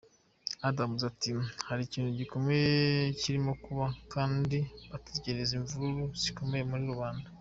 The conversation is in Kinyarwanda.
Adams ati "Hari ikintu gikomeye kirimo kuba, kandi bategereze imvururu zikomeye muri rubanda.